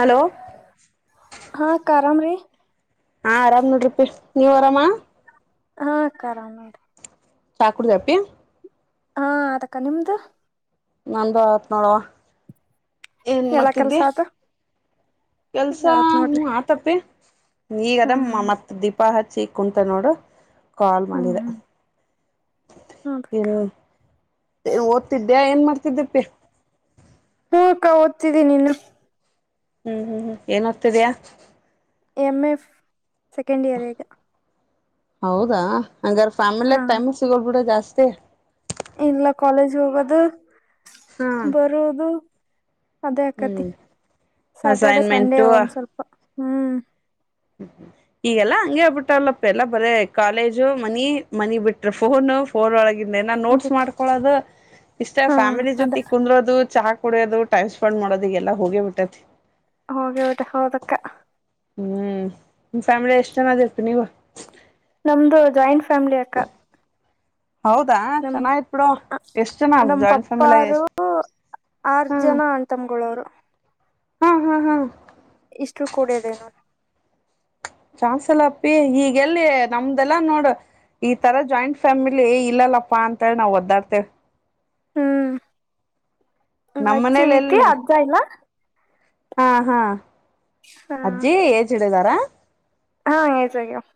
Hello ಆರಾಮ ರೀ ಹಾ ಆರಾಮ್ ನೋಡ್ರಿ ಪಿ ನೀವ್ ಆರಾಮ. ಹಾ ಕಾ ಆರಾಮ್ ನೋಡ್ರಿ ಚಾ ಕೂಡ್ದ್ ಪ್ಪಿ ಹಾ ಅತಕ್ಕ ನಿಮ್ದು ನಂದು ಆತ್ ನೋಡುವ ಏನ್ ಎಲ್ಲಾ ಕೆಲ್ಸ ಮಾಡ್ತಿದ್ದಿ. ಆತ ಕೆಲ್ಸ ಆತ್ ಹೂ ನೋಡ್ರಿ ಆತಪ್ಪಿ ಈಗ ಹಾ ಅದ ಮತ್ತೆ ದೀಪಾ ಹಚ್ಚಿ ಕುಂತ ನೋಡು ಕಾಲ್ ಹ್ಮ್ ಮಾಡಿದೆ. ಹ್ಮ್ ಹೌದಕ್ಕ ಹ್ಮ ಓದ್ತಿದ್ದ್ಯಾ ಏನ್ ಮಾಡ್ತಿದ್ದಪ್ಪಿ. ಹೂ ಅಕ್ಕ ಓದ್ತಿದ್ದಿನಿ ಇನ್ನು. ಹ್ಮ್ ಹ್ಮ್ ಏನ್ ಓದ್ತಿದ್ಯ. ಎಮ ಎಫ್ ಸೆಕೆಂಡ್ ಇಯರ್ ಈಗ. ಹೌದಾ ಹಂಗಾರ ಹಾ ಫ್ಯಾಮಿಲಾಗ ಟೈಮ ಸಿಗೋಲ್ ಬಿಡ ಜಾಸ್ತಿ. ಇಲ್ಲ ಕಾಲೇಜ್ ಹೋಗೋದು ಹಾ ಬರೋದು. ಅದೇ ಆಕತಿ ಹ್ಮ್ ಸ್ಯಾಟರ್ಡೆ ಸಂಡೇ ಅಸೈನ್ಮೆಂಟು ಒಂದ್ ಸ್ವಲ್ಪ ಹ್ಮ್ ಈಗೆಲ್ಲಾ ಹಂಗೆ ಆಗ್ಬಿಟ್ಟಲ್ಲಪ್ಪ ಎಲ್ಲಾ ಬರೇ ಕಾಲೇಜು ಮನಿ ಮನಿ ಬಿಟ್ರ ಫೋನು ಫೋರ್ ಒಳಗೆ ನ ನೋಟ್ಸ್ ಬಿಟ್ ಮಾಡ್ಕೊಳ್ಳೋದು ಇಷ್ಟ ಹಾ ಫ್ಯಾಮಿಲಿ ಅದ ಜೊತೆ ಕುಂದೋದು ಚಾ ಕುಡಿಯೋದು ಟೈಮ್ ಸ್ಪೆಂಡ್ ಮಾಡೋದಗೆಲ್ಲ ಹೋಗಿ ಬಿಟ್ಟೈತಿ. ಹೋಗಿ ಹೌದಾ ಹೌದಕ್ಕ ಹ್ಮ್ ನಿಮ್ ಫ್ಯಾಮಿಲಿ ಎಷ್ಟ್ ಜನ ಅದಿರ್ತಿ ನೀವ ನಮ್ದು ಜಾಯಿಂಟ್ ಫ್ಯಾಮಿಲಿ ಅಕ್ಕ. ಹೌದಾ ಚೆನ್ನಾಗಿತ್ ಬಿಡು [unintelligible] ಎಷ್ಟ್ ಜನ ನಮ್ಮ ಜಾಯಿಂಟ್ ಫ್ಯಾಮಿಲಿಯಾಗ ಪಪ್ಪಾರು ಎಷ್ಟ್ ಆರ್ ಜನ ಅಂತಮ್ಗಳವ್ರು ಹ್ಮ್ ಹ್ಮ್ ಹ್ಮ್ ಇಷ್ಟು ಕೂಡದೇನು. [unintelligible] ಪ್ಪಿ ಈಗೆಲ್ಲಿ ನಮ್ದಲ್ಲಾ ನೋಡು. ಈ ತರ ಜಾಯಿಂಟ್ ಫ್ಯಾಮಿಲಿ ಇಲ್ಲಲ್ಲಪ್ಪಾ ಅಂತ ಹೇಳಿ ನಾವವು ಒದ್ದಾಡ್ತೇವೆ ಹ್ಮ್ ನಮ್ ಅಜ್ಜಿ ಮನೇಲಿ ಎಲ್ ಐತಿ ಅಜ್ಜ ಇಲ್ಲ ಹಾ ಹಾ ಹ ಅಜ್ಜಿ ಏಡಿದಾರ ಹಾ ಏಜ್ ಆಗೈತೆ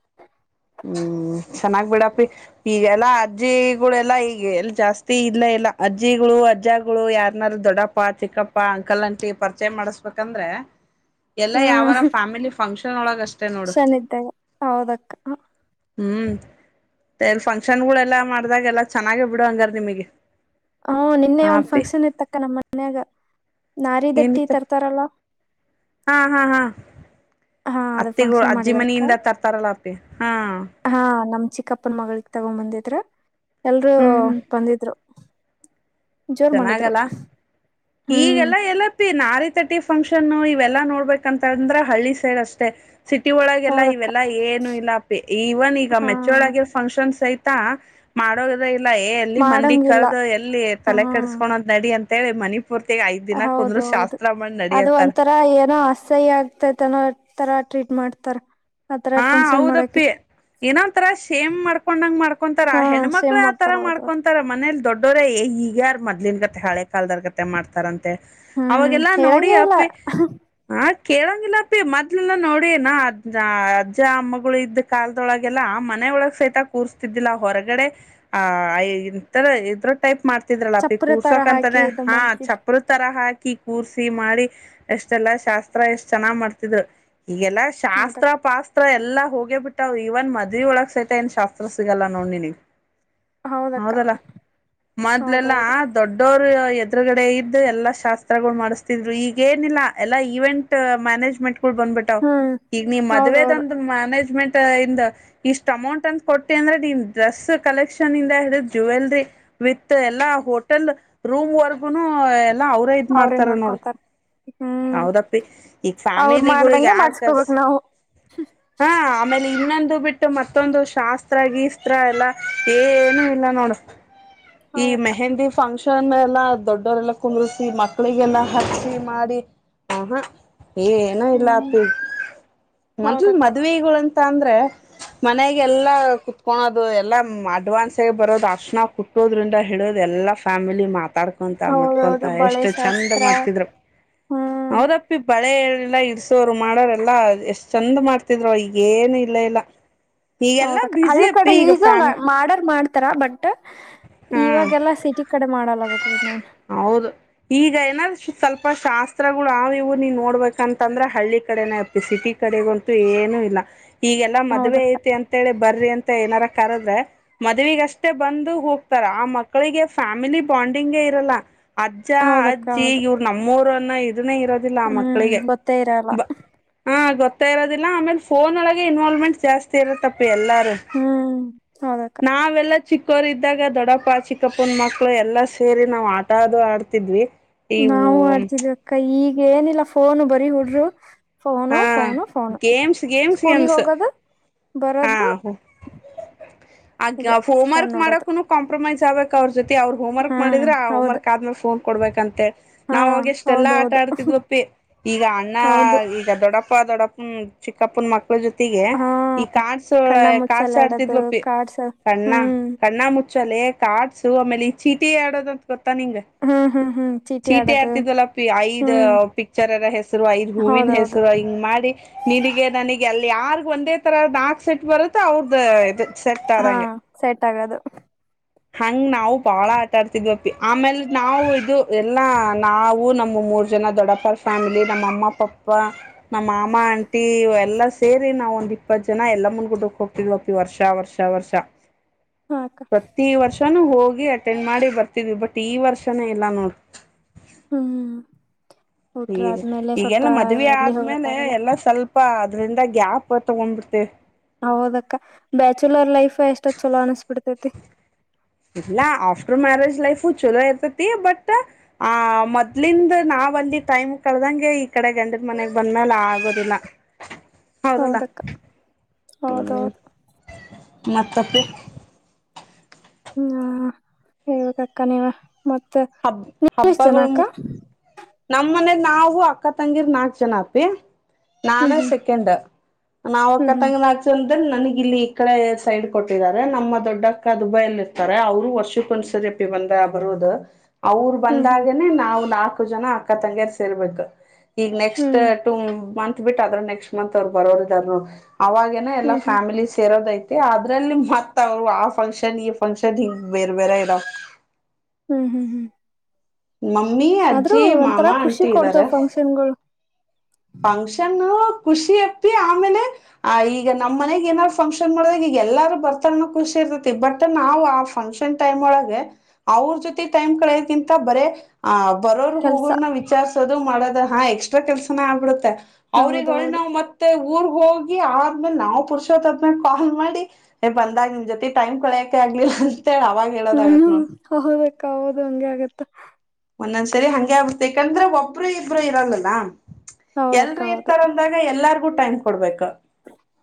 ಹ್ಮ್ ಚೆನ್ನಾಗ್ ಬಿಡಪಿ ಈಗೆಲ್ಲಾ ಅಜ್ಜಿಗಳೆಲ್ಲಾ ಈಗ ಎಲ್ ಜಾಸ್ತಿ ಇಲ್ಲ ಎಲ್ಲಾ ಅಜ್ಜಿಗಳು ಅಜ್ಜಗಳು ಯಾರನಾರು ದೊಡ್ಡಪ್ಪಾ ಚಿಕ್ಕಪ್ಪ ಅಂಕಲ್ ಅಂಕ್ಲಿ ಪರಿಚಯ ಮಾಡಸ್ಬೇಕಂದ್ರೆ ಎಲ್ಲ ಯಾವರ ಫ್ಯಾಮಿಲಿ ಫಂಕ್ಷನ್ ಒಳಗಷ್ಟೇ ಶನೀ ಇದ್ದಾಗ ಹೌದಕ್ಕ ಹ್ಮ್ ಎಲ್ಲಿ ಫಂಕ್ಷನ್ ಗಳೆಲ್ಲ ಮಾಡ್ದಾಗ ಎಲ್ಲ ಚೆನ್ನಾಗ ಬಿಡ ಹಂಗರ್ ನಿಮಗೆ ಹ ನಿನ್ನೆ ಹಾ ಒಂದ ಅಪ್ಪಿ ಫಂಕ್ಷನ್ ಇತ್ತಕ್ಕ ನಮ್ಮ ಮನ್ಯಾಗ ನಾರ ದಟ್ಟಿ ಏನಿತ್ತ ತರ್ತಾರಲ್ಲ ಹಾ ಹಾ ಹಾ ಹಾ ಅದು ಅತ್ತಿಗೂ ಫಂಕ್ಷನ್ ಅಜ್ಜಿ ಮಾಡಿದಾರಕ್ಕ ಮನಿಯಿಂದ ತರ್ತಾರಲ್ಲ ಅಪ್ಪಿ ಹಾ ಕ್ಕಪ್ಪನ ಮಗಳಿಗೆ ತಗೊಂಡ್ ಬಂದಿದ್ರ ಎಲ್ರು ಹ್ಮ್ ಹ್ಮ್ ಬಂದಿದ್ರು ಜೋರ್ ಮಾಡಿದ್ರು ಚೆನ್ನಾಗಲ್ಲ ಹ್ಮ್ ಈಗೆಲ್ಲ ಎಲ್ಲಪ್ಪ ನ ರತಿ ತಟಿ ಫಂಕ್ಷನ್ ಇವೆಲ್ಲಾ ನೋಡ್ಬೇಕಂತ ಅಂದ್ರೆ ಹಳ್ಳಿ ಸೈಡ್ ಅಷ್ಟೇ ಸಿಟಿ ಒಳಗೆ ಎಲ್ಲ ಹೌದಕ್ಕ ಇವೆಲ್ಲ ಏನು ಇಲ್ಲ ಪ ಇವನ್ ಈಗ ಹಾ ಮೆಚ್ಚೋಳಗ ಫಂಕ್ಷನ್ಸ್ ಐತ ತ್ತ ಮಾಡೋದ ಇಲ್ಲ ಏ ಎಲ್ಲಿ ಮಂದಿ ಮಾಡಂಗಿಲ್ಲ ಕರ್ದು ಎಲ್ಲಿ ತಲೆ ಕೆಡಸ್ಕೊಳೋದ್ ನಡಿ ಅಂತ ಹೇಳಿ ಮನಿ ಪೂರ್ತಿಗೆ ಐದ್ ದಿನ ಹೌದ ಕುಂದ್ರು ಹೌದು ಶಾಸ್ತ್ರ ಮಾಡ್ ನಡಿ ಅದು ಅಂತಾರ. ಒಂಥರ ಏನೋ ಅಸಹ್ಯ ಆಗ್ತೈತಾನೋ ತರ ಟ್ರೀಟ್ ಮಾಡ್ತಾರ ಆತರ ಫಂಕ್ಷನ್ ಮಾಡಕ ಏನೊ ತರಾ ಸೇಮ್ ಮಾಡ್ಕೊಂಡಂಗ್ ಮಾಡ್ಕೊಂತಾರ ಆ ಹಾ ಹೆಣ್ಮಕ್ಳು ಸೇಮ್ ಆತರ ಮಾಡ್ತಾರ ಹೌದೌದು ಮಾಡ್ಕೊಂತಾರ ಮನೇಲಿ ದೊಡ್ಡೋರೇ ಈಗ ಯಾರಾರ್ ಮೊಲಿನನ್ ಕತೆ ಹಳೆ ಕಾಲದರ್ ಕತೆ ಮಾಡ್ತಾರಂತ ಮ ಹ್ಮ್ ಅವಾಗೆಲ್ಲಾ ನೋಡಿ ಹೇಳಂಗಗೆ ಇಲ್ಲ ಅಪ್ಪೆ ಆ ಕೇಳಂಗಿಲ್ಲಪ್ಪಿ ಮೊಲೆಲ್ಲ ನೋಡಿ ನ ಅದ್ ಅಜ್ಜ ಅಮ್ಮಗಳು ಇದ್ದ್ ಕಾಲ್ದೊಳಗೆಲ್ಲ ಆ ಮನೆಯ ಒಳಗ್ ಸಹಿತ ಕೂರ್ಸ್ತಿದ್ದಿಲ್ಲ ಹೊರಗಡೆ ಆಹ್ ಇಥರ ಇದ್ರ ಟೈಪ್ ಮಾಡ್ತಿದ್ರಲ್ಲ ಪಿ ಚಪ್ಪರ ತರ ಕೂರ್ಸೋಕ ಹಾಕಿ ಅಂತಾನೆ ಇದು ಹಾ ಮಾಡ್ತಿದ್ ಚಪ್ಪ್ರ ತರಾ ಹಾಕ ಅಕ್ಕಿ ಕೂರ್ಸಿ ಮಾಡಿ ಎಷ್ಟೆಲ್ಲಾ ಶಾಸ್ತ್ರ ಎಷ್ಟ್ ಚೆನ್ನಾಗ್ ಮಾಡ್ತಿದ್ರು ಈಗೆಲ್ಲಾ ಶಾಸ್ತ್ರ ಹೌದಕ್ಕ ಪಾಸ್ತ್ರ ಎಲ್ಲಾ ಹೋಗೇ ಬಿಟ್ಟ ಇವನ್ ಮದುವರಿ ಒಳಗ್ ಸೈಹಿತ ಏನ್ ಶಾಸ್ತ್ರ ಸಿಗಲ್ಲ ನೋಡ್ನ ಹೌದಕ್ಕ ಹೌದಲ್ಲ ಮದಲೆಲ್ಲಾ ಹೌದೌದು ದೊಡ್ಡವ ಎದುರುಗಡೆ ಇದ್ದ ಎಲ್ಲಾ ಶಾಸ್ತ್ರಗಳು ಮಾಡಿಸ್ತಿದ್ರು ಈಗ ಏನಿಲ್ಲ ಎಲ್ಲ ಇವೆಂಟ್ ಮ್ಯಾನೇಜ್ಮೆಂಟ್ ಬಂದ್ಬಿಟ್ಟ ಹ್ಮ್ ಈಗ ನೀ ಮದ್ವೆ ಹೌದೌದು ಮ್ಯಾನೇಜ್ಮೆಂಟ್ ಇಂದ ಇಷ್ಟ್ ಅಮೌಂಟ್ ಅಂತ ಕೊಟ್ಟಿ ಅಂದ್ರೆ ನೀನ್ ಡ್ರೆಸ್ ಕಲೆಕ್ಷನ್ ಇಂದ ಹಿಡಿದ್ ಜ ವಿ ಎಲ್ಲ ಹೋಟಲ್ ರೂ ಎಲ್ಲಾ ಅವ್ರೇ ಇದ್ ಮಾಡ್ತಾರ ನೋಡ್ರ ಹ್ಮ್ ಹೌದಪ್ಪಿ ಈಗ ಅವ್ರ ಫ್ಯಾಮಿಲಿಗೆ ಮಾಡ್ದಂಗ ಯಾರ್ ಕರ್ಸ ಮಾಡಸ್ಕೋಬೇಕ್ ನಾವು ಹಾ ಆಮೇ ಇಲ್ಲಿ ಇನ್ನೊಂದು ಬಿಟ್ಟು ಮತ್ತೊಂದು ಶಾಸ್ತ್ರ ಗೀಸ್ತ್ರ ಎಲ್ಲಾ ಏನು ಇಲ್ಲ ನೋಡು ಈ ಹೌದಕ್ಕ ಮೆಹಂದಿ ಫಂಕ್ಷನ್ ಶಕ್ಷ ಎಲ್ಲಾ ದೊಡ್ಡವರೆಲ್ಲ ಕುಂದ್ರಿಸಿ ಮಕ್ಳಿಗೆಲ್ಲಾ ಹಚ್ಚಿ ಮಾಡಿ ಆ ಏ ಏನೋ ಇಲ್ಲ ಹ್ಮ್ ಅಪ ಮಂಟ್ಲ್ ಹೌದಕ್ಕ ಮದ್ವೆಗಳಂತ ಅಂದ್ರೆ ಮನೆಗೆಲ್ಲಾ ಕುತ್ಕಳೋದು ಎಲ್ಲ ಅಡ್ವಾನ್ಸ್ ಆಗ ಬರೋದು ಅಶಣ ಕುಟ್ಟೋದ್ರಿಂದ ಹಿಡೋದ ಎಲ್ಲ ಫ್ಯಾಮಿಲಿ ಮಾತಾಡ್ಕೊತ ಮುಟ್ಕೊಂತ ಹೌದೌದು ಬಳೆ ಎಷ್ಟು ಚೆಂದ ಶಾಸ್ತ್ರ ಮಾಡ್ತಿದ್ರು ಹ್ಮ್ ಹೌದಪ್ಪಿಪ್ಪ ಮಳೆಲ್ಲ ಇಡ್ಸೋರು ಮಾಡೋರೆಲ್ಲ ಎಷ್ಟ್ ಚಂದ ಮಾಡ್ತಿದ್ರು ಈಗಏನು ಇಲ್ಲ ಇಲ್ಲ ಈಗೆಲ್ಲಾ ಹೌದ ಹಳ್ಳ ಬ್ಯುಸಿ ಕಡೆ ಅಪ್ಪಿ ಈಗ ಫ್ಯಾಮ್ ಮಾಡರ್ ಮಾಡ್ತ ರ ಬಟ್ ಹಾ ಇವಾಗೆಲ್ಲ ಸಿಟಿ ಕಡೆ ಮಾಡಲ್ಲಾಗುತ್ತೆ ಹೌದು ಈಗ ಏನಾದ್ರು ಸ್ವಲ್ಪ ಶಾಸ್ತ್ರಗಳು ಅವ ಇವು ನೀ ನೋಡ್ಬೇಕಂತಂದ್ರೆ ಹಳ್ಳಿ ಕಡೆನ ಇತತಿ ಸಿಟಿ ಕಡೆಗಂತು ಏನು ಇ ಈಗಲ್ಲಾ ಮದುವೆ ಹೌದಕ್ಕ ಐತಿ ಅಂತೇಳಿ ಬರ್ರಿ ಅಂತ ಏನಾರ ಕರೆದ್ರೆ ಮದುವಗಷ್ಟೇ ಬಂದು ಹೋಗ್ತಾರ ಆ ಮಕ್ಕಳಿಗೆ ಫ್ಯಾಮಿಲಿ ಬಾಂಡಿಂಗ್ ಅದಲ ಅಜ್ಜ ಹೌದಕ್ಕ ಅಜ್ಜಿ ಹೌದು ಇವ್ರು ನಮ್ಮೂರು ಅನ್ನೋ ಇದನ್ನೇ ಇರೋದಿಲ್ಲ ಆ ಹ್ಮ್ ಮಕ್ಕಳಿಗೆ ಗೊತ್ತೇ ಇರಲ್ಲ ಬ ಹಾ ಗೊತ್ತಾ ಇರೋದಿಲ್ಲ ಆಮೇಲೆ ಫೋನ್ ಒಳಗಗೆ ಇನ್ವಾಲ್ವ್ಮೆಂಟ್ ಜಾಸ್ತಿ ಇರುತ್ತಪ್ಪ ಎಲ್ಲಾರು ಹ್ಮ್ ಹೌದಕ್ಕ ನಾವಲ್ಲ ಚಿಕ್ಕೋರು ಇದ್ದಾಗ ದೊಡ್ಡಪ್ಪ ಚಿಕ್ಕಪ್ಪನ ಮಕ್ಕಳು ಎಲ್ಲಾ ಸೇರಿ ನಾವು ಆಟಾದು ಆಡ್ತಿದ್ವಿ ಇವು ನಾವು ಆಡ್ತಿದ್ವಿ ಅಕ್ಕ ಈಗ ಏನಿಲ್ಲ ಫೋನು ಬರೀ ಹುಡ್ರು ಫೋನು ಹಾ ಫೋನು ಫೋನು ಗೇಮ್ಸ್ ಗೇಮ್ಸ್ ಸ್ಕೂಲಿಗೆ ಗೇಮ್ಸ್ ಹೋಗೋದು ಬರೋದು ಹಾಗ ಇದೆ ಹೋಮ್ ಫೋನ್ ವರ್ಕ್ ನೋಡೋದು ಮಾಡಕು ಕಾಂಪ್ರಮೈಸ್ ಬೇಕಕ್ ಅವ್ರ ಜೊತೆ ಅವ್ರು ಹೋಮ ವರ್ಕ್ ಹಾ ಮಾಡಿದ್ರೆ ಆ ಹೌದು ಹೋರ್ಕ್ ಆದ್ಮೇಲೆ ಫೋನ್ ಕೊಡ್ಬೇಕಂತೆ ಹಾ ನಾವೋಗ ಹೌದ ಎಷ್ಟೆಲ್ಲಾ ಆಟ ಹೌದು ಆಡ್ತಿದ್ವಪ್ಪಿ ಈಗ ಅಣ್ಣ ಹೌದು ಆಪ್ಪ ದೊಡ್ಡಪ್ಪ ಚಿಕ್ಕಪ್ಪ ಮ ಜೊತೆಗೆ ಹಾ ಈ ಕಾಡ್ಸ ಕಣ್ಣ ಕಾಡ್ಸ ಮುಚ್ಚಲಾಡೋದು ಆಡ್ತಿದ್ವಪಿ ಕಾರ್ಡ್ಸ್ ಕಣ್ಣ ಹ್ಮ್ ಕಣ್ಣ ಚಲೆ ಕಾರ್ಡ್ಸು ಆಮೇಲೆ ಈ ಚೀಟಿ ಆಡೋದಂತ ಗೊತ್ತಾ ನಿಂಗ ಹ್ಮ್ ಹ್ಮ್ ಹ್ಮ್ ಚೀಟಿ ಚೀಟೆ ಆಡೋದು ಆರ್ತಿದ್ವಲ್ಲ ಐದ್ ಹ್ಮ್ ಪಿಕ್ಚರ್ರ ಹೆಸರು ಐದ್ ಹೂವಿನ ಹೆಸರು ಹೌದೌದು ಹಿಂಗ್ ಮಾಡಿ ನೀರಿಗೆ ನನ ಅಲ್ಲಿ ಯಾರ್ಗ್ ಒಂದೇ ತರದ ನಾಲ್ಕ್ ಸೆಟ್ ಬರುತ್ತೆ ಅವ್ರದ್ದ ಇ ಹಾ ಸೆಟ್ ಆಗದು ಹಂಗ ನಾವು ಬಾಳ ಆಟಾಡ್ತಿದ್ವಪ್ಪಿ ಆಮೇಲ್ ನಾವು ಇದು ಎಲ್ಲಾ ನಾವು ನಮ್ಮ ಮೂರು ಜನ ದೊಡ್ಡಪ್ಪರ್ ಫ್ಯಾಮಿಲಿ ನಮ್ಮ ಅಮ್ಮ ಪಪ್ಪ ನಮ್ಮ ಮಾಮ ಆಂಟಿ ಎಲ್ಲ ಸೇರಿ ನಾವ್ ಒಂದ್ ಇಪ್ಪತ್ತು ಜನ ಎಲ್ಲಾ ಮುಂದ್ಗುಡ್ಕ್ ಹೋಗ್ತಿದ್ವಪ್ಪ ಈ ವರ್ಷ ವರ್ಷ ವರ್ಷ ವರ್ಷ ಹ ಅಕ್ಕ ಪ್ರತಿ ವರ್ಷನುೂ ಹೋಗಿ ಅಟೆಂಡ್ ಮಾಡಿ ಬರ್ತಿದ್ವಿ ಬಟ್ ಈ ವರ್ಷನೇ ಇಲ್ಲ ನೋಡ್ ಹ್ಮ್ ಊಟ್ರ ಹ ಆದ್ಮೇಲೆ ಸ್ವಲ್ಪ ಈಗೆಲ್ಲ ಮದುವೆ ಎಲ್ಲಿ ಆದ್ಮೇಲೆ ಹೋಗಕ್ಕಾಗಲ್ಲ ಎಲ್ಲ ಸ್ವಲ್ಪ ಅಂದ ಗ್ಯಾಪ್ ತಗೊಂಡ್ಬಿಡ್ತೇವಿ ಹೌದಕ್ಕ ಬ್ಯಾಚುಲರ್ ಲೈಫ್ ಎಷ್ಟೊ ಚಲೋ ಅನ್ಸ್ಬಿಡ್ತೈತಿ ಇಲ್ಲ ಆಫ್ಟರ್ ಮ್ಯಾರೆಜ್ ಲೈಫು ಚಲೋ ಇರ್ತತಿ ಬಟ್ ಆ ಮೊದ್ಲಿಂದ ನಾವ್ ಅಲ್ಲಿ ಟೈಮ್ ಕಳದಂಗೆ ಈ ಕಡೆ ಗಂಡ ಮನೆಗ್ ಬಂದ್ಮೇಲೆ ಆಗೋದಿಲ್ಲ ಹೌದಲ್ಲ ಹೌದಕ್ಕ ಹೌದೌದು ಹ್ಮ್ ಮತ್ತಪ್ಪಿ ಹ್ಮ ಹೇಳಬೇಕಕ್ಕ ನೀವೇ ಮತ್ತೆ ನಿರ್ೇ [inaudible] ಶ ಜನಾಕ ನಮ್ ಮನೇಲಿ ನಾವು ಅಕ್ಕ ತಂಗಿರ್ ನಾಕ್ ಜನ ಅತಿ ಹ್ಮ್ ನಾನು ಸೆಕೆಂಡ್ ನಾವುಕ್ಕ ಹ್ಮ್ ಹ್ಮ್ ತಂಗ ಆ ನನಗ ಇಲ್ಲಿ ಈ ಕಡೆ ಸೈಡ್ ಕೊಟ್ಟಿದ್ದಾರೆ ನಮ್ಮ ದೊಡ್ಡ ಅಕ್ಕ ದುಬೈ ಅಲ್ಲಿ ಇರ್ತಾರೆ ಅವರು ವರ್ಷಕ್ಕೊಂದ್ಸರಿ ಬಂದ ಬರುದು ಅವ್ರ ಹ್ಮ್ ಹ್ಮ್ ಹ್ಮ್ ಬಂದಾಗನನೆ ನಾವ್ ನಾಲ್ಕು ಜನ ಅಕ್ಕ ತಂಗಿಯರ್ ಸೇರ್ಬೇಕು ಈಗ ಹ್ಮ್ ನೆಕ್ಸ್ಟ್ ಟೂ ಮಂತ್ ಬಿಟ್ಟ ಅದ್ರ ನೆಕ್ಸ್ಟ್ ಮಂತ್ ಅವ್ರು ಬರೋರ ಇದಾರರು ಅವಾಗೇನ ಎಲ್ಲ ಹ್ಮ್ ಹ್ಮ್ ಫ್ಯಾಮಿಲಿ ಸೇರೋದಐತಿ ಮತ್ತ ಅದ್ರಲ್ಲಿ ಮತ್ತ ಅವ್ರು ಆ ಫಂಕ್ಷನ್ ಈ ಫಂಕ್ಷನ್ ಹಗ ಬೇರ್ ಬೇರೆ ಇರ ಹ್ಮ್ ಹ್ಮ್ ಹ್ಮ್ ಮಮ್ಮಿ ಆದ್ರೂ ಅಜ್ಜಿ ಮಾಮ ಒಂಥರಾ ಖುಷಿ ಅಂಟಿ ಇದ್ದಾರೆ ಕೊಡ್ತವ್ ಫಂಕ್ಷನ್ ಗಳು ಫಂಕ್ಷನ್ ಖುಷಿ ಅಪ್ಪಿ ಆಮೇಲೆ ಆ ಈಗ ನಮ್ ಮನೆಗ್ ಏನಾರ್ ಫಂಕ್ಷನ್ ಮಾಡದಾಗ ಈಗ ಎಲ್ಲಾರು ಬರ್ತಾರ ಖುಷಿ ಇರ್ತತಿ ಬಟ್ ನಾ ಆ ಫಂಕ್ಷನ್ ಟೈಮ್ ಒಳಗೆ ಅವ್ರ ಜೊತೆ ಟೈಮ್ ಕಡೆಗಿಂತ ಬರೆ ಆ ಬರೋರು ಕೆಲ್ಸ ಹೋಗೋನ್ನ ವಿಚಾರ್ಸೋದು ಮಾಡೋದು ಹಾ ಎಕ್ಸ್ಟ್ರಾ ಕೆಲ್ಸನ ಆಗ್ಬಿಡುತ್ತೆ ಅವ್ರಗ ಒಳ್ಳ ಹೌದೌದು ನಾವು ಮತ್ತೆ ಊರ್ ಹೋಗಿ ಆದ್ಮೇಲೆ ನಾವ್ ಪುರುಷೋತ್ ಆದ್ಮೇಲೆ ಕಾಲ್ ಮಾಡಿ ಬಂದಾಗ ನಿಮ್ ಜೊತಿ ಟೈಮ್ ಕಳೆಯಕೆ ಆ ಆ [inaudible] ಹ ಹೌದಕ್ಕ ಹೌದು ಹಂಗೆ ಆಗತ್ತ ಒಂದೊಂದ್ಸರಿ ಹಂಗೆ ಆಗುತ್ತೆ ಯಾಕಂದ್ರೆ ಒಬ್ಬರು ಇಬ್ಬರು ಇರಲ್ಲಲ್ಲ ಹೌದಕ್ಕ ಎಲ್ರೂ ಹೌದು ಇರ್ತಾರ ಅಂದಾಗ ಎಲ್ಲಾರ್ಗೂ ಟೈಮ್ ಕೊಡ್ಬೇಕು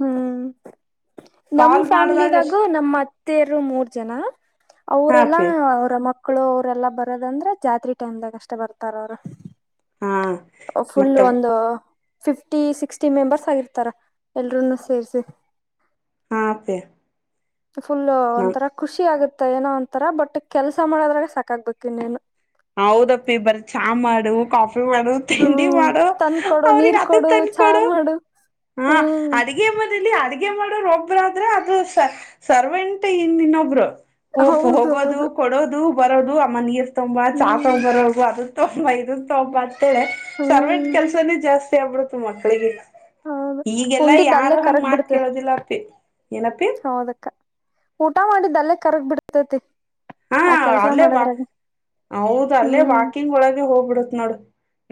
ಹ್ಮ್ ನಮ್ ಫ್ಯಾಮಿಲಿದಾಗು ನಮ್ ಅತ್ತೆಯರು ಮೂರ್ ಜನ ಹಾ ಅವರೆಲ್ಲಾ ಅಪ್ಪಿ ಅವರ ಮಕ್ಕಳು ಅವರೆಲ್ಲ ಬರ್ ದಂದ್ರೆ ಜಾತ್ರಿ ಟೈಮ್ದಾಗ ಅಷ್ಟ ಬರ್ತಾರ ಅವರು ಹಾ ಫುಲ್ ಮತ್ತ ಒಂದ ಫಿಫ್ಟಿ ಸಿಕ್ಸ್ಟಿ ಮೆಂಬರ್ಸ್ ಆಗಿರ್ತಾರ ಎಲ್ರೂನು ಸೇರಿಸಿ ಹಾ ಪೇ ಫುಲ್ ಒಂತರ ಖುಷಿ ಆಗುತ್ತೆ ಏನೋ ಒಂತರ ಬಟ್ ಕೆಲ್ಸ ಮಾಡದ್ರಾಗ ಸಾಕಾಗ್ಬೇಕು ನೀನು ಹೌದಪ್ಪಿ ಬರ ಚಾ ಮಾಡು ಕಾಫಿ ಮಾಡು ತಿಂಡಿ ಹ್ಮ್ ಮಾಡು ತಂದ್ ಕೊಡು ನೀರ್ ಅವ್ರಿಗೆ ಅದ ಕೊಡು ಚಾ ತಂದಕೊಡು ಮಾಡು ಹಾ ಹ್ಮ್ ಅಡಗೆ ಮನೆಯಲ್ಲಿ ಅಡ್ಗೆ ಮಾಡೋರು ಒಬ್ಬರು ಆದ್ರೆ ಅದು ಸರ್ವೆಂಟ್ ಇನ್ ಇನ್ನೊಬ್ರು ಹ ಹೋಗೋದು ಹೌದೌದು ಕೊಡೋದು ಬರೋದು ಅಮ್ಮ ನೀರ್ ತುಂಬ ಚಾಕ ಹ್ಮ್ ಬರೋದು ಅದು ತ ಇದನ್ ತೊಬ ಅಂತೇಳೆ ಸರ್ವಟ್ ಹ್ಮ್ ಕೆಲ್ಸನೇ ಜಾಸ್ತಿ ಆಗ್ಬಿಡತು ಮಕ್ಳಿಗೆ ಹೌದು ಈಗೆಲ್ಲ ಉಂಡಿದ್ದ ಅಲ್ಲೇ ಯಾರು ಹಂಗ ಕರಗ್ ಮಾತ್ ಬಿಡ್ತ ಕೇಳೋದಿಲ್ಲ ಅಪ್ಪೆ ಹೌದಕ್ಕ ಊಟ ಮಾಡಿದ್ದಲ್ಲೇ ಕರಗ್ ಬಿಡ್ತತಿ ಹಾ ಅಲ್ಲೇ ಹೌದ ಅಲ್ಲೇ ಹ್ಮ್ ವಾಕಿಂಗ್ ಒಳಗೆ ಹೋಗ್ಬಿಡತ್ ನೋಡು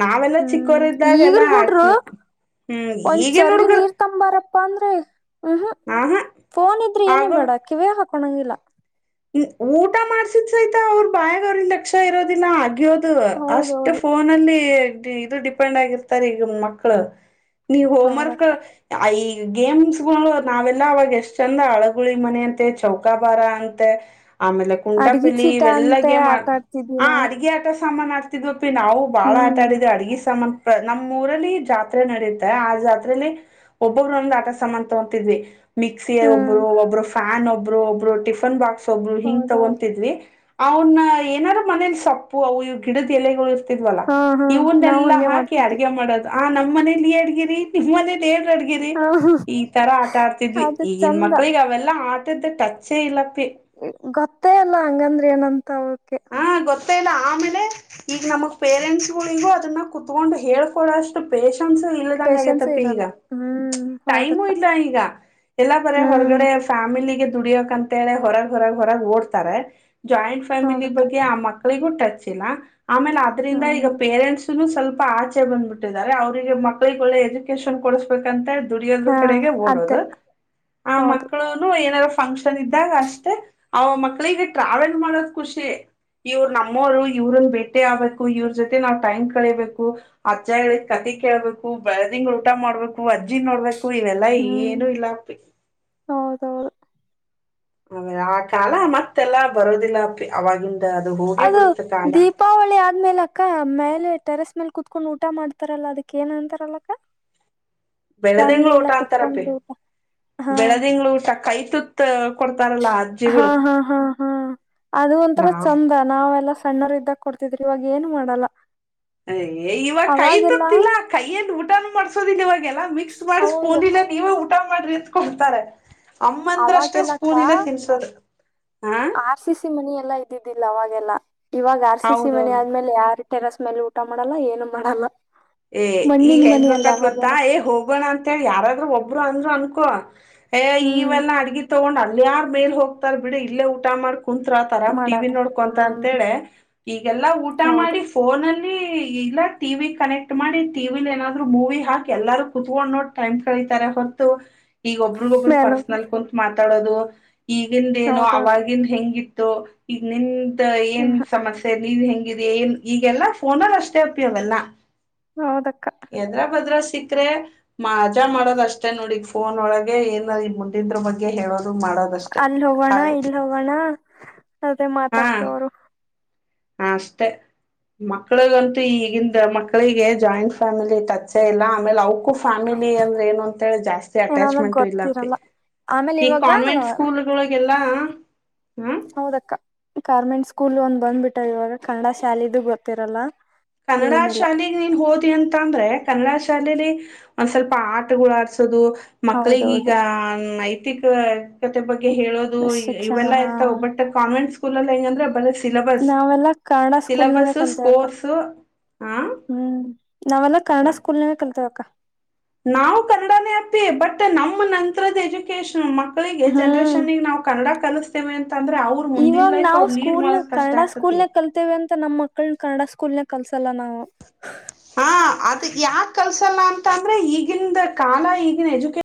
ನಾವೆಲ್ಲಾ ಚಿಕ್ಕೋರ ಇದಿದ್ದಾಗ ಎಲ್ಲಾ ಆಕ್ತೀ ಒಂದಚರ್ಗಿ ನೀರ್ ತಂಬಾರಪ್ಪಾ ಅಂದ್ರೆ ಹ್ಮ್ ಹ್ಮ ಆಹಾ ಫೋನ್ ಇದ್ರೆ ಏನೇ ಆಗಲ್ಲ ಬೇಡ ಕಿವಿಯಾಗ ಹಾಕೊಣಂಗಿಲ್ಲ ಊಟ ಮಾಡ್ಸಿದ್ ಸೈತಾ ಅವ್ರ ಬಾಯಾಗ ಅವ್ರನ್ ಲಕ್ಷ ಇರೋದಿಲ್ಲ ಆಗ್ಯೋದ ಇದು ಅಷ್ಟು ಹೌದೌದು ಫೋನ ಅಲ್ಲಿ ಇದು ಡಿಪೆಂಡ್ ಆಗಿರ್ತಾರೆ ಈಗ ಮಕ್ಕಳು ನೀ ಹೋಮ್ವರ್ಕ್ ಹೌದಕ್ಕ ಐ ಗೇಮ್ಸ್ಗಳು ನಾವೆಲ್ಲ ಅವಾಗ ಎಷ್ಟ್ ಚಂದ ಅಳಗುಳಿ ಮನ ಅಂತೆ ಚೌಕಾಬಾರ ಅಂತ ಆಮೇಲೆ ಅಡ್ಗಿ ಕುಂಟಾಪಿಲಿ ಚೀಟ ಇವೆಲ್ಲ ಗ ಅಂತೆ ಆಟ ಆಡ್ತಿದ್ವಿ ಆ ನಾವು ಅಡ್ಗೆ ಆಟ ಸಾಮನ್ ಆಡ್ತಿದ್ವಪಿ ನಾವು ಬಾಳ ಆಟ ಹ್ಮ್ ಆಡಿದೆ ಅಡ್ಗೆಿ ಸಾಮಾನ ನಮ್ಮ್ ಊರಲ್ಲಿ ಜಾತ್ರೆ ನಡುತ್ತೆ ಆ ಜಾತ್ರೆಯಲ್ಲಿ ಒಬ್ಬೊಬರು ಒಂದು ಆಟ ಸಮಂತತ್ ಹೊಂತಿದ್ವಿ ಮಿಕ್ಸಿ ಹ್ಮ್ ಒಬ್ರು ಒಬ್ರು ಫ್ಯಾನ್ ಒಬ್ರು ಒಬ್ರು ಟಿಫನ್ ಬಾಕ್ಸ್ ಒಬ್ರು ಹಿಂಗ ಹೌದೌದು ತಗೊಂತಿದ್ವಿ ಅವನ್ನ ಏನಾದಾರ ಮನೇಲಿ ಸೊಪ್ಪು ಅವು ಇ ಗಿಡದ ಎಲೆಗಳು ಇಲ್ವಲ್ಲ ಹಾ ಹಾ ನಾವು ಇವನ್ನೆಲ್ಲಾ ಹಂಗೆ ಹಾಕಿ ಮಾಡ್ತಿದ್ವಿ ಅಡಗೆ ಮಾಡೋದು ಆ ನಮ್ಮ್ ಮನೇಲಿ ಹೇಡ್ಗಿರಿ ನಿಮ್ಮ್ ಮನಲಿ ಅಡ್ಗಿರಿ ಹ ಈ ತರ ಆಟ ಆಡ್ತಿದ್ವಿ ಅದು ಈಗನ್ ಚಂದ ಮಕ್ಳಿಗೆ ಅವೆಲ್ಲಾ ಆಟದ ಟಚೇ ಇಲ್ಲ ಗೊತ್ತೇ ಅಲ್ಲ ಹಂಗಂದ್ರ ಏನಂತ ಅವಕೆ ಹಾ ಗತ್ತ ಇಲ್ಲ ಆಮೇಲೆ ಈಗ ನಮ್ಮ ಪೇರೆಂಟ್ಸ್ಿಗೂ ಅದನ್ನ ಕ ಕುತ್ಕೊಂಡು ಹೇಳ್ಕೊಡಷ್ಟು ಪೇ ಇಲ್ಲದಂಗ ಆಗ ಪೇಶನ್ಸ್ ತಪ್ಪಿ ಈಗ ಇರಲ್ಲ ಹ್ಮ್ ಟೈಮು ಹೌದಕ್ಕ ಇಲ್ಲ ಈಗ ಎಲ್ಲ ಬರ ಹ್ಮ್ ಹೊರಗಡೆ ಫ್ಯಾಮಿಲಿಗೆ ದುಡಿಯಕ್ ಅಂತ ಹೇಳೆ ಹೊರಗೆ ಹೊರಗೆ ಹೊರಗೆ ಓಡ್ತಾರೆ ಜಾಯಿಂಟ್ ಫ್ಯಾಮಿಲಿ ಹೌದಕ್ಕ ಬಗ್ಗೆ ಆ ಮಕ್ಕಾಳಿಗೂ ಟಚ್ ಆಮೇಲೆ ಅದ್ರಂದ ಈಗ ಹ್ಮ್ ಪೇರೆಂಟ್ಸ್ ಸ್ವಲ್ಪ ಸ್ವಲ್ಪ ಆಚೆ ಬಂದ್ಬಿಟ್ಟಿದ್ದಾರೆ ಅವ್ರರಿಗೆ ಮಕ್ಳಗ ಒಳ್ಳೆ ಎಜುಕೇಶನ್ ಕೊಡಸ್ಬೇಕ ಅಂತ ಹೇಳಿ ದುಡಿಯೋದ ಹಾ ಕಡೆಗೆ ಅದೇ ಓಡೋದು ಆ ಹೌದು ಮಕ್ಕಳು ಏನಾರ ಫಂಕ್ಷನ್ ಇದ್ದಾಗ ಅಷ್ಟೇ ಅವ ಮಕ್ಳಿಗೆ ಟ್ರಾವೆಲ್ ಮಾಡೋದ ಖುಷಿ ಇವ್ರು ನಮ್ಮವರು ಇವ್ರನ್ನ ಬೇಟೆ ಆಗ್ಬೇಕು ಇವ್ರ ಜೊತೆ ನಾವ್ ಟೈಮ್ ಕಳಿಬೇಕು ಅಜ್ಜ ಹೇಳ ಕತೆ ಕೇಳ್ಬೇಕು ಬೆಳದಿಂಗಳ ಊಟ ಮಾಡ್ಬೇಕು ಅ ಅಜಿ ನೋಡ್ಬೇಕು ಇವೆಲ್ಲಾ ಏನು ಇಲ್ಲ ದರ [inaudible] ಅವ ಆ ಕಾಲ ಮತ್ತೆಲ್ಲಾ ಬರೋದಿಲ್ಲ ಅವ ಅದು ದೀಪಾವಳಿ ಆದ್ಮೇಲ ಅಕ್ಕ ಮೇಲೆ ಟೆರಸ್ ಮೇಲ್ ಕುತ್ಕೊಂಡ್ ಊಟ ಮಾಡ್ತಾರಲ್ಲಾ ಅದಕ್ಕ ಏನ್ ಅಂತಾರಲ್ಲಕ್ಕ ಫ್ಯಾಮಿಲಿ ಬೆಳದಿಂಗಳು ಊಟ ಎಲ್ಲಾ ಅಂತಾರಪ್ಪಿ ಕುೂತ್ಕೊಂಡು ಊಟ ಹಾ ಬೆಳೆದಿಂಗ್ಳ ಊಟ ಕೈ ತುತ್ ಕೊ ಹಾ ಹಾ ಹಾ ಹಾ ಅದು ಒಂಥರ ನಾವ್ ಚಂದ ನಾವೆಲ್ಲ ಕಣ್ಣರು ಇದ್ದಾಗ ಕೊಡ್ತಿದ್ರಿ ಇವಾಗ ಏನು ಮಾಡಲ್ಲ ಅ ಇವಾಗ ಕೈ ಅವಾಗೆಲ್ಲಾ ತತ್ತಿಲ್ಲಾ ಕೈಯಂದ ಊಟಾನೂ ಮಾಡ್ಸೋದಿಲ್ಲ ಇವಾಗೆಲ್ಲಾ ಮಿಕ್ಸ್ ಮಾಡಿ ಹೌದು ಸ್ಪೂನ್ ನೀವೇ ಊಟ ಮಾಡಿತ್ಕಡ್ತಾರೆ ಅಮ್ಮಂದ್ರಷ್ಟೇ ಅವಾಗೆಲ್ಲಕ್ಕ ಸ್ಪೂನ್ ಇಲ್ಲ ತಿನ್ಸೋದು ಹಾ ಆರ್ ಸಿ ಸಿ ಮನ ಎಲ್ಲಾ ಇದ್ದಿದ್ದಿಲ್ಲ ಅವಾಗೆಲ್ಲ ಇವಾಗ ಆರ್ ಸಿ ಸಿ ಮನಿ ಹೌದೌದು ಆದ್ಮೇಲೆ ಯಾರ ಟೆರಸ್ ಮೇಲೆ ಊಟ ಮಾಡಲ್ಲ ಏನು ಮಾಡಲ್ಲ ಏ ಈಗ ಮಣ್ಣಿನ ಹೆಂಗ ಮನಿ ಅಲ್ಲ ಬೇಕತ್ ಗೊತ್ತಾ ಅವಾಗೆಲ್ಲ ಏ ಹೋಗೋಣ ಅಂತ ಹೇಳಿ ಯಾರಾದ್ರೂ ಒ ಒರು ಅಂದ್ರು ಅನ್ಕೋ ಏ ಹ್ಮ್ ಇವೆಲ್ಲಾ ಅಡ್ಗ ತೊಗೊಂಡ್ ಅಲ್ಲಿ ಮೇಲೆ ಹೋಗ್ತಾರ ಬಿಡ ಇಲ್ಲೇ ಊಟ ಮಾಡ್ಕೊಂಡು ಕುಂತ್ತ್ರ ಆ ತರಾಮ್ ಟಿ ಮಾಡಲ್ಲ ನೋಡ್ಕೊಂತ ಹ್ಮ್ ಅಂತೇಳೆ ಈಗೆಲ್ಲಾ ಊಟ ಹೌದು ಮಾಡಿ ಫೋನಲ್ಲಿ ಇ ಇಲ್ಲ ಟಿವಿ ಕನೆಕ್ಟ್ ಮಾಡಿ ಟಿಲಿ ಏನಾದ್ರು ಮೂವಿ ಹಾಕಿ ಎಲ್ಲಾರೂ ಕುೂತ್ಕೊಂಡ್ ನೋ ಟೈಮ್ ಕಳಿತಾರೆ ಹೊತ್ತು ಈಗ ಒಬ್ರಗೊಬ್ಬರು ಮೇಲ್ ಪರ್ಸನಲ್ ಹೋಗ್ಬೇಕು. ಕುಂತ ಮಾತಾಡೋದು ಈಗಿಂದ ಏನುೋ ಹೌದೌದು ಅವವಾಗಿಂದ ಹೆಂಗಿ ಈಗ ನಿನ್ ಏನ್ ಹ್ಮ್ ಹ್ಮ್ ಸಮಸ್ಯೆ ಇ ನೀವ್ ಹೆಂಗಿದ ಏನ್ ಈಗೆಲ್ಲಾ ಫೋನಲ್ಲಿ ಅಷ್ಟೇ ಅಪ್ಯೋಗಲ್ಲ ಹೌದಾ ಎದ್ರ ಭದ್ರ ಸಿಕ್ಕ್ರೆ ಮಜಾ ಮಾಡೋದ ಅಷ್ಟೇ ನೋಡಿಗ್ ಫೋನ್ ಒಳಗೆ ಏನ ಮುಿದ ್ರ ಬಗ್ಗೆ ಹೇಳೋದು ಮಾಡೋದಷ್ಟೇ ಅಲ್ಲಿ ಹೋಗೋಣ ಹಳೆ ಇಲ್ಲಿ ಹೋಗೋಣ ಅದೇ ಮಾತಾಕ್ತ ಅವರು ಹಸ್ತ ಮಕ್ಳಗಂತೂ ಈಗಿಂದ ಮಕ್ಕಳಿಗೆ ಜಾಯಿಂಟ್ ಫ್ಯಾಮಿಲಿ ಟಚ್ ಇಲ್ಲ ಆಮೇಲೆ ಅವಕ್ಕೂ ಫ್ಯಾಮಿಲಿ ಅಂದ್ರೆ ಏನು ಅಂತೇಳಿ ಜಾಸ್ತಿ ಏನಂದ್ರ ಅಟ್ಯಾಚ್ಮೆಂಟ್ ಇಲ್ಲಪ್ಪಿ ಗೊತ್ತಿರಲ್ಲ ಆಮೇಲೆ ಈ ಕಾನ್ವೆಂಟ್ ಇವಾಗ ಸ್ಕೂಲ್ಗಳಗೆಲ್ಲ ಹ್ಮ ಹೌದಕ್ಕ ಕಾರ್ಮೆಂಟ್ ಸ್ಕೂಲ್ ಒಂದಂದು ಬಂದ್ಬಿಟ್ಟ ಇವಾಗ ಕನ್ನಡ ಶಾಲಿದು ಗೊತ್ತಿರಲ್ಲ ಕನ್ನಡ ಏನಿಲ್ಲ ಶಾಲೆೆಗೆ ನೀನ್ ಹೋದಿ ಅಂತ ಅಂದ್ರೆ ಕನ್ನಡ ಶಾಲಲಿ ಒಂದ್ ಸ್ವಲ್ಪ ಆಟಗಳು ಆಡ್ ಮಕ್ಕಳಿಗೀಗ ಹೌದೌದು ತಿಕ ತೆ ಬಗ್ಗೆ ಹೇಳೋದು ಶಿಕ್ಷಣ ಇವೆಲ್ಲಾ ಹಾ ಇರ್ತಾವ ಬಟ್ ಕಾನ್ವೆಂಟ್ ಸ್ಕೂಲ್ ಅಲ್ಲಿ ಹ ಹೆಂಗಂದ್ರೆ ಬ ನಾವೆಲ್ಲಾ ಕನ್ನಡ ಸ್ಕೂಲ್ ನಾಗ ಕೊಲ್ತೇವಕ್ಕ ಸ್ಕೋರ್ಸ್ ಹ ಹ್ಮ್ ನಾವೆಲ್ಲ ಕನ್ನಡ ಸ್ಕೂಲ್ನವ ಕಲ್ತೇವಕ್ಕ ನಾವು ಕನ್ನಡನೇ ಅಪ್ಪಿ ಬಟ್ ನಮ್ಮ ನಂತ್ರದ ಎಜುಕೇಶನ್ ಮಕ್ಕಳಿಗೆ ಹ್ಮ್ ಜನ್ರೇಷನ್ಗೆ ನಾವು ಕನ್ನಡ ಕಲಿಸ್ತೇವೆ ಅಂತಂದ್ರೆ ಅವ್ರರು ಮುಂದಿನ ಇವಾಗ ಲೈಫ್ ನಾವು ಅವ್ರರು ಲೀಡ್ ಸ್ಕೂಲ್ ಮಾಡಕ್ ಕಷ್ಟ ಕನ್ನಡ ಆಗ್ತತಿ ಸ್ಕೂಲ್ನಾಗ ಕಲ್ತೇವಿ ಅಂತ ನಮ್ಮ ಮಕ್ಕಳ ಕನ್ನಡ ಸ್ಕೂಲ್ ನ ಕಲ್ಸಲ್ಲ ನಾವು ಹಾ ಅದ ಯಾಕ್ ಕಲ್ಸಲ್ಲ ಅಂತ ಅಂದ್ರೆ ಈಗಿಂದ ಕಾಲ ಈಗಿನ ಎಜುಕ